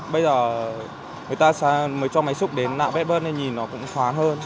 bây giờ người ta mới cho máy xúc đến nạo vét bớt này nhìn nó cũng thoáng hơn